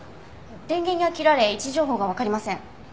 電源が切られ位置情報がわかりません。